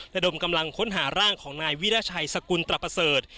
ระดมกำลังค้นหาร่างของนายวิราชัยสกุลตระประเสริฐ